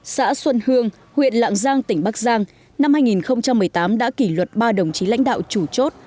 xã xuân hương huyện lạng giang tỉnh bắc giang năm hai nghìn một mươi tám đã kỷ luật ba đồng chí lãnh đạo chủ chốt